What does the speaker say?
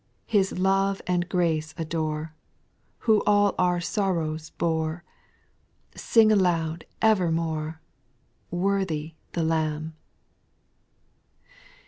61 His love and grace adore, Who all our sorrows bore ; Sing aloud evermore, " Worthy the Lamb 1" 2.